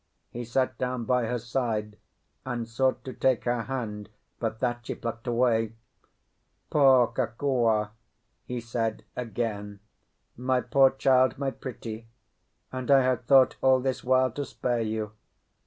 He sat down by her side, and sought to take her hand; but that she plucked away. "Poor Kokua," he said, again. "My poor child—my pretty. And I had thought all this while to spare you!